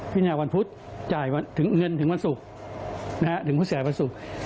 พิจารณาวันพุธจ่ายถึงเงินถึงวันสุขถึงพุธเสียหายวันสุข